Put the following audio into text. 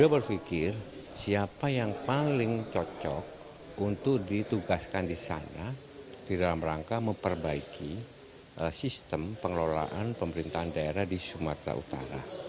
dia berpikir siapa yang paling cocok untuk ditugaskan di sana di dalam rangka memperbaiki sistem pengelolaan pemerintahan daerah di sumatera utara